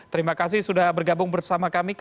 terima kasih sudah bergabung bersama kami